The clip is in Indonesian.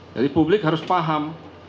jadi publik harus paham